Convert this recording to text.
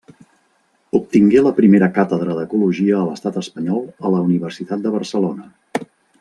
Obtingué la primera càtedra d'ecologia a l'Estat espanyol a la Universitat de Barcelona.